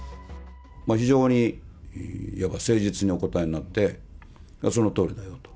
非常に誠実にお答えになって、そのとおりだよと。